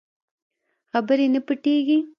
خبرې نه پټېږي.